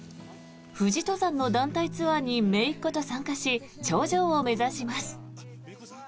富士登山の団体ツアーにめいっ子と参加し頂上を目指します。